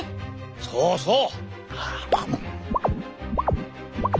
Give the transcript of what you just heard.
そうそう！